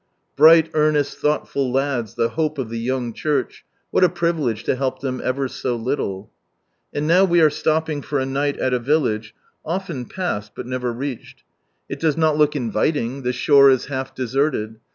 Bright, earnest, thoughtful lads, the hope of the young church 1 What a privilege to help them ever so little! ... And now we are slopping for a night at a village, often passed, but never reached It does not look inviting, the shore is half deserted.